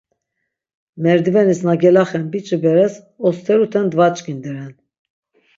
Merdivenis na gelaxen biç̌i beres, osteruten dvaç̆k̆inderen.